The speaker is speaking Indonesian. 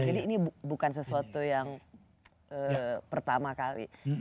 jadi ini bukan sesuatu yang pertama kali